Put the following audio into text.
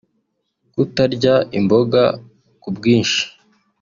kutarya imboga ku bwinshi